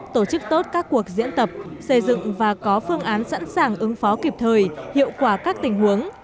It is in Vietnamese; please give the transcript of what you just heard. tổ chức tốt các cuộc diễn tập xây dựng và có phương án sẵn sàng ứng phó kịp thời hiệu quả các tình huống